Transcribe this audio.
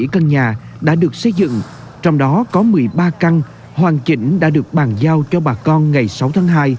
bảy mươi căn nhà đã được xây dựng trong đó có một mươi ba căn hoàn chỉnh đã được bàn giao cho bà con ngày sáu tháng hai